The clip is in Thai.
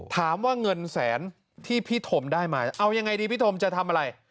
ถามว่าเงินแสนที่พี่ธมได้มาเอายังไงดีพี่ธมจะทำอะไร